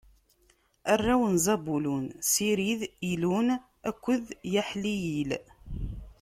Arraw n Zabulun: Sirid, Ilun akked Yaḥliyil.